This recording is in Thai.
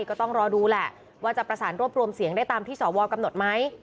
ก็ต้องรอดูแหละว่าจะประสานรวบรวมเสียงได้ตามที่สวกำหนดไหม